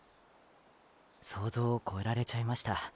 想像をこえられちゃいました。